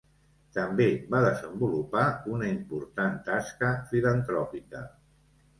També va desenvolupar una important tasca filantròpica.